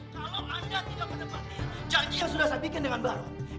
kalau anda tidak menepati janji yang sudah saya bikin dengan baru